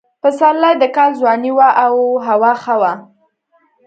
پسرلی د کال ځواني وه او هوا ښه وه.